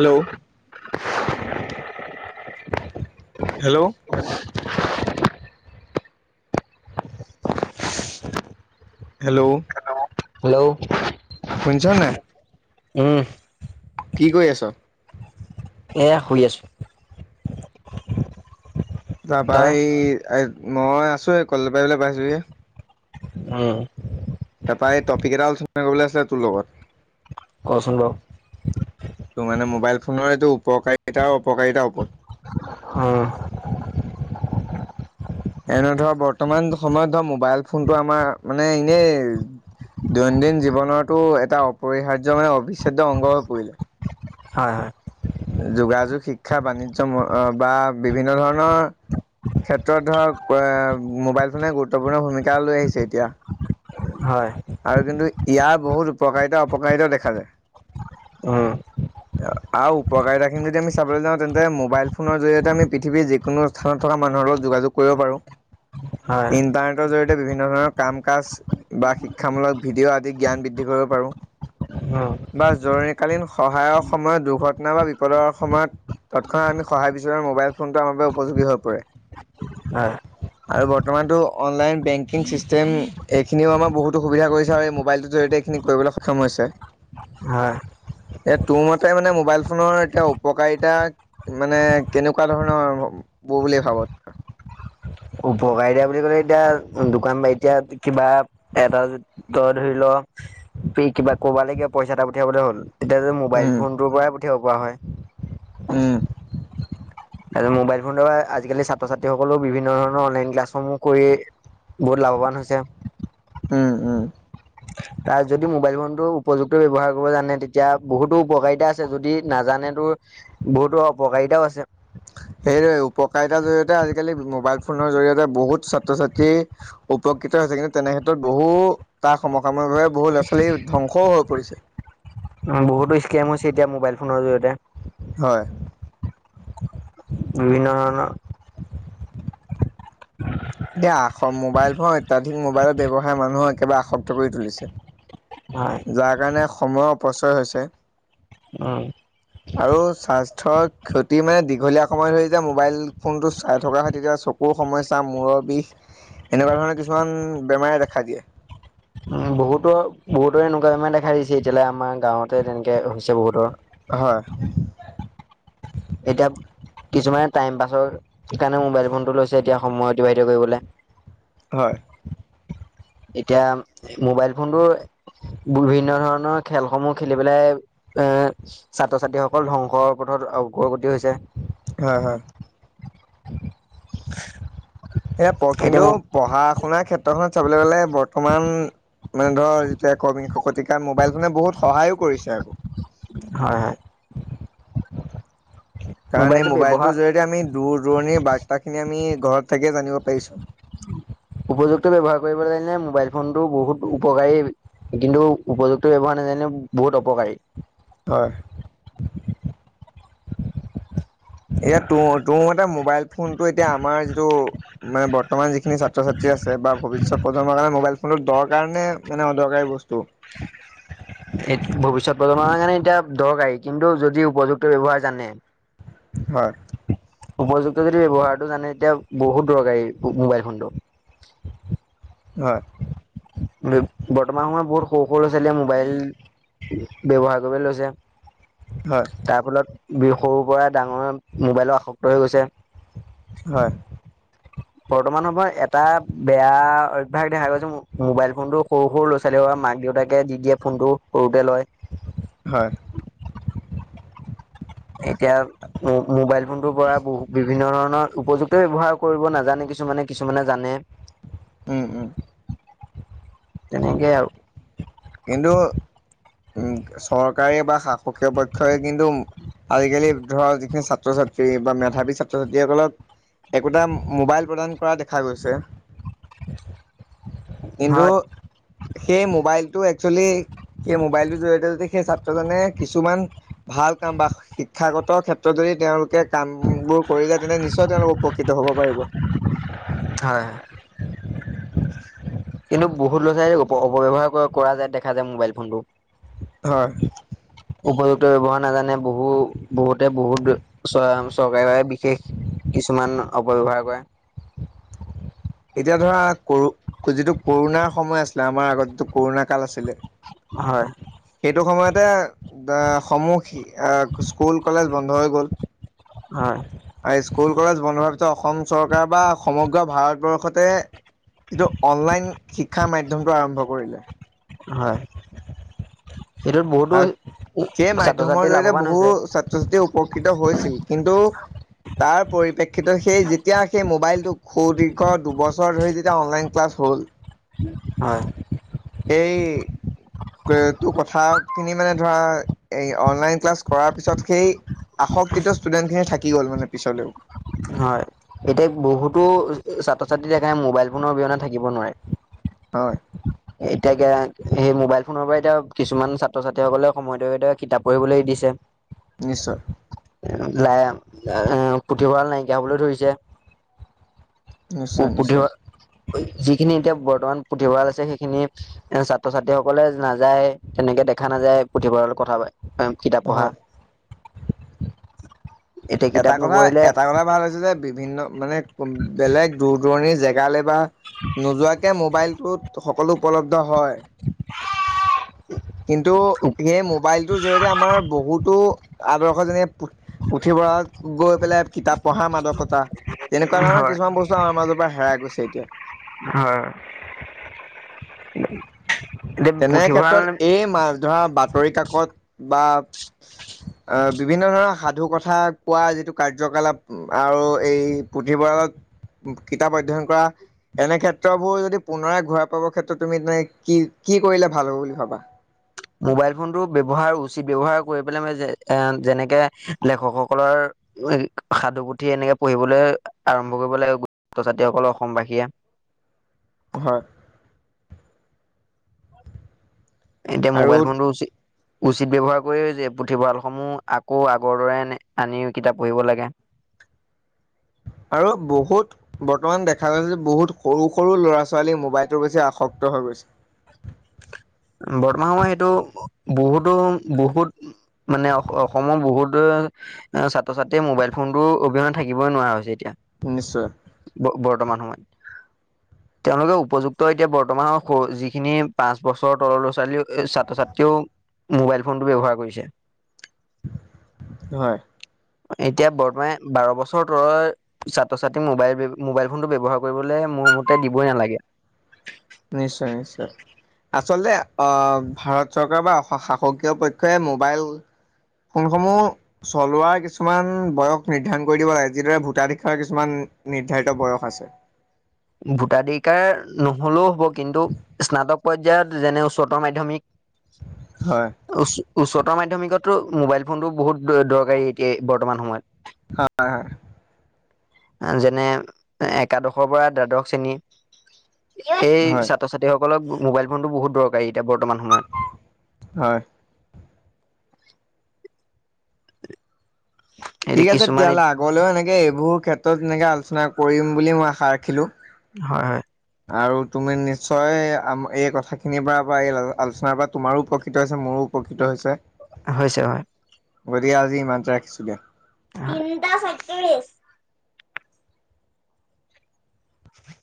Hello, hello, hello, hello, শুনিছনে নাই? উম, কি কৰি আছ। এয়া শুই আছো। যাবা তই? সেই মই আছো এই কল পাৰীবলৈ পাইছোহি। উম, তাইৰ টপিক এটা আলোচনা কৰিবলৈ আছিলে তোৰ লগত। কচোন বাৰু। তোৰ মানে মোবাইল সোনৰ এইটো উপকাৰিতা অপকাৰিতাৰ ওপৰত, হ এনে ধৰ বৰ্তমান সময়ত ধৰ মোবাইল ফোনটো আমাৰ মানে এনেই দৈনন্দিন জীৱনতো এটা অপৰিহাৰ্য মানে অবিচ্ছেদ্য অংগ হৈ পৰিলে। হয় হয় যোগাযোগ শিক্ষা বাণিজ্য বা বিভিন্ন ধৰণৰ ক্ষেত্ৰত ধৰক মোবাইল ফোনে গুৰুত্বপূৰ্ণ ভূমিকা লৈ আহিছে এতিয়া। হয় আৰু কিন্তু ইয়াৰ বহুত উপকাৰিতা অপকাৰিতা দেখা যায়। উম। আৰু উপকাৰিতাখিনি যদি আমি চাবলৈ যাওঁ তেন্তে মোবাইল ফোনৰ জৰিয়তে আমি পৃথিৱীৰ যিকোনো স্থানত থকা মানুহৰ লগত যোগাযোগ কৰিব পাৰোঁ হয়, ইণ্টাৰনেটৰ জৰি বিভিন্ন ধৰণৰ কাম কাজ বা শি শিক্ষামূলক ভিডিঅ' আদি জ্ঞান বৃদ্ধি কৰিব পাৰোঁ। উম, বা জৰুৰীকালীন সহায়ৰ সময়ত দুৰ্ঘটনা বা বিপদৰ সময়ত তৎক্ষণা আমি সহায় বিচৰা মোবাইল ফোনটো আমাৰ বাবে উপযোগী হৈ পৰে। হয়, আৰু বৰ্তমানতো অনলাইন বেংকিং ছিষ্টেম এইখিনিও আমাৰ বহুত সুবিধা কৰিছে আৰু এই মোবাইলটোৰ জৰিয়তে এইখিনি কৰিবলৈ সক্ষম হৈছে। হয়। এ তোৰ মতে মানে মোবাইল ফোনৰ এতিয়া উপকাৰিতা মানে কেনেকুৱা ধৰণৰবোৰ বুলি ভাবো উপকাৰী দিয়া বুলি ক'লে এতিয়া দোকান বা এতিয়া কিবা এটা তই ধৰি ল পেই কিবা ক'ব লাগিব পইচা এটা পঠিয়াবলৈ হ'ল এতিয়া যে মোবাইল উম ফোনটোৰ পৰা কিহ পৰা হয় উম তাৰপিছত মোবাইল ফোনৰ দ্বাৰা আজিকালি ছাত্ৰ ছাত্ৰীসকললে বিভিন্ন ধৰণৰ অনলাইন ক্লাছসমূহ কৰি বহুত লাভৱান হৈছে। উম উম তাৰ যদি মোবাইল ফোনটো উপযুক্ত ব্যৱহাৰ কৰিব জানে তেতিয়া বহুতো উপকাৰিতা আছে যদি নাজানেতো বহুতো অপকাৰিতাও আছে সেইদৰে উপকাৰিতাৰ জৰিয়তে আজিকালি মোবাইল ফোনৰ জৰি়য়তে বহুত ছাত্ৰ ছাত্ৰী উপকৃত হৈছে, কিন্তু তেনেক্ষেত্ৰত বহু তাৰ সমকাময়কভাৱে বহু ল'ৰা ছোৱালী ধ্বংসও হৈ পৰিছে। বহুতো স্কেম হৈছে এতিয়া মোবাইল ফোনৰ জৰিয়তে। হয় বিভিন্ন দিয়া আস মোবাইল ফোন অত্যাধিক মোবাইলৰ ব্যৱসায় মানুহক একেবাৰে আসক্ত কৰি তুলিছে। হয় যাৰ কাৰণে সময়ৰ অপচয় হৈছে। উম আৰু স্বাস্থ্যৰ ক্ষতি মানে দীঘলীয়া সময় ধৰি যে মোবাইল ফোনটো চাই থকাৰ সৈ তেতিয়া চকুৰ সমস্যা মূৰত বিষ এনেকুৱা ধৰণৰ কিছুমান বেমাৰে দেখা দিয়ে। উম বহুতো বহুতৰ এনেকুৱা দেখাই দিছে এতিয়ালে আমাৰ গাঁৱতে তেনেকে হৈছে বহুতৰ। হয়। এতিয়া কিছুমানে টাইম পাছৰ কাৰণে মোবাইল ফোনটো লৈছে এতিয়া সময় অতিবাহিত কৰিবলৈ হয় এতিয়া মোবাইল ফোনটো বিভিন্ন ধৰণৰ খেলসমূহ খেলি পেলাই এৰ ছাত্ৰ ছাত্ৰীসকল ধ্বংসৰ পথত অগ্ৰগতি হৈছে। হয় হয় এ প কিন্তু এতিয়া মোৰ পঢ়া শুনাৰ ক্ষেত্ৰত বৰ্তখনত চাবলৈ গলে বৰ্তমান মানে ধৰ যেতিয়া ক শকতিকাৰ মোবাইল ফোনে বহুত সহায়ো কৰিছে আকৌ। হয় হয় কাৰণ এই মোবাইলটো মোবাইলটোৰ ব্যৱহাৰ জৰিয়তে আমি দূৰ দূৰণিৰ বাকী আমি ঘৰত থাকিয়েই যানিব পাৰিছো উপযুক্ত ব্যৱহাৰ কৰিবলৈ নে মোবাইল ফোনটো বহুত উপকাৰী কিন্তু উপযুক্ত ব্যৱহাৰ নাজানে বহুত অপকাৰী হয় এতিয়া ত তোৰ মতে মোবাইল ফোনটো এতিয়া আমাৰ যিটো মানে বৰ্তমান যিখিনি ছাত্ৰ ছাত্ৰী আছে বা ভৱিষ্যত প্ৰজন্মৰ কাৰে মোবাইল ফোনটো দৰ কাৰণে মানে অদৰকাৰী বস্তু? ভৱিষ্যত প্ৰজন্ম কাৰণে এতিয়া দৰকাৰী কিন্তু যদি উপযুক্ত ব্যৱহাৰ জানে। হয় উপযুক্ত যদি ব্যৱহাৰটো জানে তেতিয়া বহুত দৰকাৰ মোবাইল ফোনটো হয় বৰ্তমান বোৰ খক [unintelligible] মোবাইল ব্যৱহাৰ কৰিব লৈছে হয় তাৰ ফলত বি সৰুৰ পৰা ডাঙৰ মোবাইলৰ আসক্ত হৈ গৈছে হয় বৰ্তমান সময় এটা বেয়া ভাগ দেখা গৈছে মোবাইল ফোনটো সৰু সৰু ল' ছোৱালী বা মাক দেউতাকে দি দিয়ে ফোনটো সৰুতে লয়। হয় এতিয়া মোবাইল ফোনটোৰ পৰা বহুত বিভিন্ন ধৰণৰ উপযুক্ত ব্যৱহাৰ কৰিব নাজানে কিছুমানে কিছুমানে জানে উম উম তেনেকেই আৰু কিন্তু চৰকাৰে বা শাসকীয় পক্ষই কিন্তু আজিকালি ধৰক যিখিনি ছাত্ৰ ছাত্ৰী বা মেধাৱী ছাত্ৰ ছাত্ৰীসকলক একোটা মোবাইল প্ৰদান কৰা দেখা গৈছে। কিন্তু হয় সেই মোবাইল। আজিকালি সেই মোবাইল টো জড়িত যদি সেই ছাত্ৰজনে কিছুমান ভাল কাম বা শিক্ষাগত ক্ষেত্ৰত যদি তেওঁলোকে কাম। বোৰ কৰি যায় তেনে নিশ্চয় তেওঁলোক উপকৃত হ'ব পাৰিব হয় হয় কিন্তু বহুত ল'ৰা ছোৱালী অপব্যৱহাৰ কৰা যায় দেখা যায় মোবাইল ফোনটো হয় উপযুক্ত ব্যৱহাৰ নাজানে বহু বহুতে বহুত চৰকাৰে বাবে বিশেষ কিছুমান অপব্যৱহাৰ কৰে এতিয়া ধৰা যিটো কৰোণাৰ সময় আছিলে আমাৰ আগত যটো কৰোণা কাল আছিলে হয় সেইটো সময়তে আহ সমূহ আহ স্কুল কলেজ বন্ধ হৈ গ'ল হয় আৰু স্কুল কলেজ বন্ধ হোৱাৰ পিছত অসম চৰকাৰ বা সমগ্ৰ ভাৰতবৰ্ষ লগতে ইটো অনলাইন শিক্ষাৰ মাধ্যমটো আৰম্ভ কৰিলে। হয় সেইটোত বহুতো আৰু সেই ছাত্ৰ ছাত্ৰী মাধ্যমৰ জৰিয়তে লাভৱান বহু হৈছে ছাত্ৰ ছাত্ৰী উপকৃত হৈছিল কিন্তু তাৰ পৰিপ্ৰেক্ষিতত সেই যেতিয়া সেই মোবাইলটো সুদীৰ্ঘ দুবছৰ ধৰি যেতিয়া অনলাইন ক্লাছ। ফল হয় তটো কথা খিনি মানে ধৰা এই অনলাইন ক্লাছ কৰাৰ পিছত সেই। আসক্তিত ষ্টুডেন্ট খিনি থাকি গ'ল মানে। পিছলৈও হয় এতিয়া বহুতো ছাত্ৰ ছাত্ৰী একাৰে মোবাইল ফোনৰ অবিহনে থাকিব হয় নোৱাৰে এতিয়াকে সেই মোবাইল ফোনৰ পৰা এতিয়া কিছুমান ছাত্ৰ ছাত্ৰীসকলে সময়মতে কিতাপ পঢ়িবলৈ এৰি দিছে। নিশ্চয়। লাই আম তিহৰাল নাইকিয়া হ'বলৈ ধৰিছে। নিশ্চয় নিশ্চয়। পুথিভঁৰাল যিখিনি এতিয়া বৰ্তমান পুথিভঁৰাল আছে সেইখিনি এ ছাত্ৰ ছাত্ৰীসকলে নাযায় তেনেকে দেখা নাযায় পুথিভঁৰালৰ কথা প। কিতাপ হয় পঢ়া এতিয়া এটা কিতাপ কথা নপঢ়িলে। এটা কথা ভাল হৈছে যে বিভিন্ন মানে। বেলেগ দূৰ দূৰণিৰ জেগা গালে বা নোযোৱাকে মোবাইলটোত ত সকলো উপলব্ধ হয়। কিন্তু সেই মোবাইল এইটোৰ জৰি়য়তে আমাৰ বহুতো আদৰ্শ যেনে পুথিভঁৰালত গৈ পেলাই কিতাপ পঢ়া মাদকতা তেনেকুৱা ধৰণৰ হয় কিছুমান বস্তু আমাৰ মাজত। কিবা হেৰাই গৈছে এতিয়া। হয়। এতিয়া তেনে ক্ষেত্ৰত পুথিভঁৰাল এই মাছ ধৰা। বাতৰি কাকত বা বিভিন্ন ধৰণৰ সাধু কথা কোৱা যিটো কাৰ্যকলাপ আৰু এই পুথিভঁৰালত কিতাপ অধ্যয়ন কৰা এনে ক্ষেত্ৰবোৰ যদি পুনৰাই ঘূৰাই পাবৰ ক্ষেত্ৰত তুমি তেনে কি? কি কৰিলে ভাল হ'ব বুলি ভাবা। মোবাইল ফোনটো ব্যৱহাৰ উচিত ব্যৱহাৰ কৰি পেলাই মানে যে এ যেনেকে লেখকসকলৰ সাধু পুথি এনেকে পঢ়িবলৈ আৰম্ভ কৰিব লাগে ছাত্ৰ ছাত্ৰীসকল অসমবাসীয়ে। হয়। এতিয়া আৰু মোবাইল ফোনটো হৈছে। উচিত ব্যৱহাৰ কৰি যে পুথিভঁৰালসমূহ আকৌ আগৰ দৰে আনি কিতাপ পঢ়িব লাগে। আৰু বহুত বৰ্তমান দেখা গৈছে বহুত সৰু সৰু ল'ৰা ছোৱালী মোবাইলটোৰ বেছি আসক্ত হৈ গৈছে। বৰ্তমান সময় সেইটো বহুতো বহুত মানে অসমৰ বহুতো ছাত্ৰ ছাত্ৰীয়ে মোবাইল ফোনতো অবিহনেত থাকিবই নোৱাৰা হৈছে এতিয়া। নিশ্চই। বৰ্তমান সময়ত তেওঁলোকে উপযুক্ত এতিয়া বৰ্তমান সম যিখিনি পাঁচ- বছৰ, ওঠৰৰ তলৰ লৰা- ছোৱালিয়েও, ছাত্ৰ- -ছাত্ৰীয়েও, মোবাইল ফোনটো ব্যৱহাৰ কৰিছে। হয়', এতিয়া বৰ্তমান বাৰ বছৰ তলৰ ছাত্ৰ- ছাত্ৰী মোবাইল- মোবাইল ফোনটো ব্যৱহাৰ কৰিবলৈ মোৰ মতে দিবই নালাগে। নিশ্চয় -নিশ্চয় আচলতে অহ ', ভাৰত চৰকাৰ বা শাসকীয় পক্ষই মোবাইল ফোনসমূহ চলোৱাৰ কিছুমান বয়স নিৰ্ধাৰণ কৰি দিব লাগে, যিদৰে ভোটাধিকাৰৰ কিছুমান নিৰ্ধাৰিত বয়স আছে। ভোটাধিকাৰ নহ'লেও হ'ব কিন্তু স্নাতক- পৰ্যায়ত যেনে উচ্চতৰ মাধ্যমিক, হয় চ -ওচৰত উত্তৰ মাধ্যমিকতো মোবাইল ফোনটো বহুত দৰকাৰী এতিয়া বৰ্তমান সময়ত। হয়', - হয়। যেনে একাদশৰ পৰা, দ্বাদশ- শ্ৰেণী, এই হয় হয় ছাত্ৰ- ছাত্ৰীসক, - ফলত মোবাইল ফোনটো বহুত দৰকাৰী এতিয়া বৰ্ত, বৰ্তমান সময়ত। হয়। ঠিক এতিয়া আছে, কিছুমান তেতিয়াহ'লে আগলৈও এনেকে এইবোৰ ক্ষেত্ৰ, ' ত ', তেনেকে আলোচনা কৰিম বুলি মই আশা ৰাখিলো। হয়- হয়। আৰু তুমি নিশ্চয় এই কথা খিনিৰ পৰা বা, এই আলোচনাৰ পৰা তোমাৰো উপকৃত হৈছে। মোৰো উপকৃত হৈছে। হৈছে হয়। গতিকে আজি ইমানতে ৰাখিছো দিয়া। তিনটা ছয়ত্ৰিশ, - [inaudible]